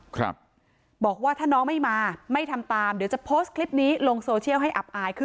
ครับบอกว่าถ้าน้องไม่มาไม่ทำตามเดี๋ยวจะโพสต์คลิปนี้ลงโซเชียลให้อับอายคือ